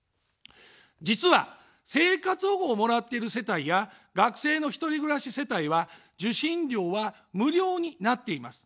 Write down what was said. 実は、生活保護をもらっている世帯や学生の１人暮らし世帯は受信料は無料になっています。